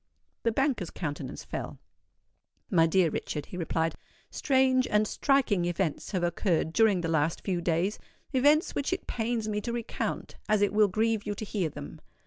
The banker's countenance fell. "My dear Richard," he replied, "strange and striking events have occurred during the last few days,—events which it pains me to recount, as it will grieve you to hear them.